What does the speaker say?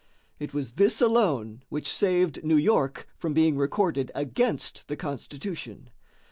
It was this alone which saved New York from being recorded against the Constitution.